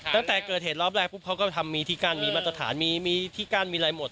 ตั้งแต่เกิดเหตุรอบแรกปุ๊บเขาก็ทำมีที่กั้นมีมาตรฐานมีที่กั้นมีอะไรหมด